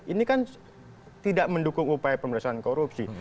ini kan tidak mendukung upaya pemerintahan korupsi